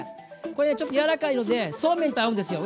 これねちょっと柔らかいのでそうめんと合うんですよ。